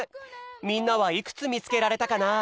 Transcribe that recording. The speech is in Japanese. みんなはいくつみつけられたかな？